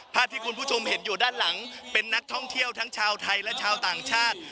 ภาพที่คุณผู้ชมเห็นอยู่ด้านหลังเป็นนักท่องเที่ยวทั้งชาวไทยและชาวต่างชาติ